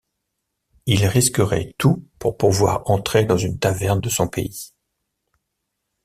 Il risquerait tout pour pouvoir entrer dans une taverne de son pays!